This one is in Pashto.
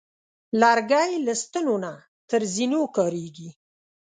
لرګی له ستنو نه تر زینو کارېږي.